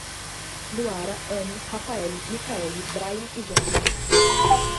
Luara, Anny, Rafaele, Mikaele, Braian e Jonatha